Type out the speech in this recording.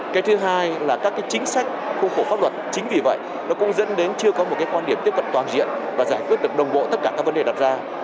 cái thứ hai là các cái chính sách khung khổ pháp luật chính vì vậy nó cũng dẫn đến chưa có một cái quan điểm tiếp cận toàn diện và giải quyết được đồng bộ tất cả các vấn đề đặt ra